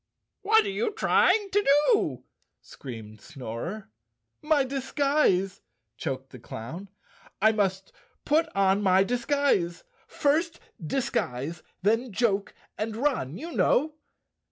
"What are you trying to do?" screamed Snorer. "My disguise," choked the clown. "I must put on my disguise—first disguise, then joke and run, you know!"